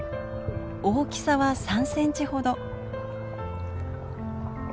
大きさは３センチほど。